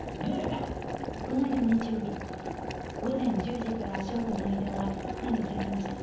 この間の日曜日午前１０時から正午の間は何をされてました？